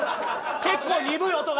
結構鈍い音が。